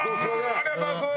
ありがとうございます！